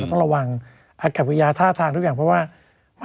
ต้องระวังอากวิทยาท่าทางทุกอย่างเพราะว่า